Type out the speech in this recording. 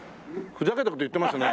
ふざけた事言ってますね。